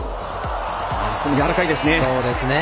やわらかいですね。